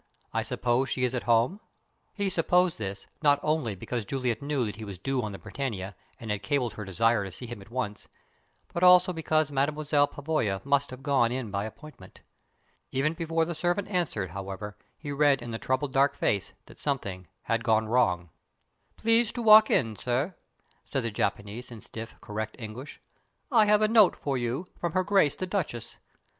I suppose she is at home?" He supposed this, not only because Juliet knew that he was due on the Britannia, and had cabled her desire to see him at once, but also because Mademoiselle Pavoya must have gone in by appointment. Even before the servant answered, however, he read in the troubled dark face that something had gone wrong. "Please to walk in, sir," said the Japanese, in stiff, correct English. "I have a note for you from Her Grace the Duchess.